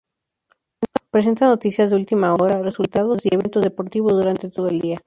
Presenta noticias de última hora, resultados y eventos deportivos durante todo el día.